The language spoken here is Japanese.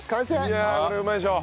いやこれうまいでしょ。